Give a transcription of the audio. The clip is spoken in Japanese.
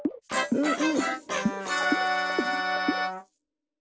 フフ。